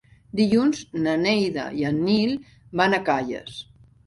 Dilluns na Neida i en Nil van a Calles.